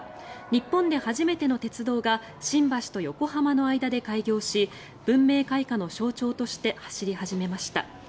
日本で初めての鉄道が新橋と横浜の間で開業し文明開化の象徴として走り始めました。